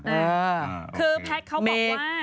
เออโอเคคือแพทย์เขาบอกว่า